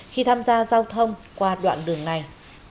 khi tham gia giao thông qua đoạn đường này